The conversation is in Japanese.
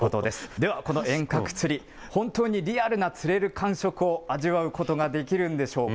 では、この遠隔釣り、本当にリアルな釣れる感触を味わうことができるんでしょうか。